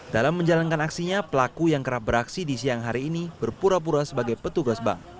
dalam menjalankan aksinya pelaku yang kerap beraksi di siang hari ini berpura pura sebagai petugas bank